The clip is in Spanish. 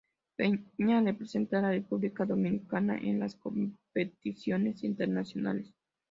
Peña represente la República Dominicana en las competiciones internacionales.